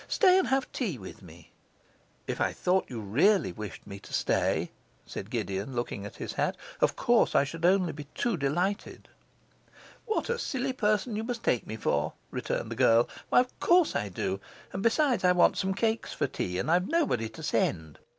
Stay and have tea with me.' 'If I thought you really wished me to stay,' said Gideon, looking at his hat, 'of course I should only be too delighted.' 'What a silly person you must take me for!' returned the girl. 'Why, of course I do; and, besides, I want some cakes for tea, and I've nobody to send.